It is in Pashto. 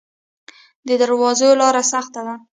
د درواز لاره سخته ده